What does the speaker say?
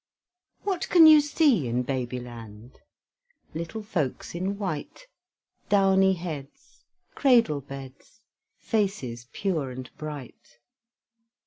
What can you see in Baby Land? Little folks in white, Downy heads, Cradle beds, Faces pure and bright.